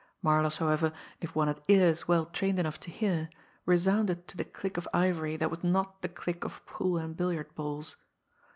Marlopp's, however, if one had ears well trained enough to hear, resounded to the click of ivory that was not the click of pool and billiard balls!